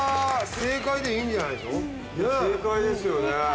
正解ですよね。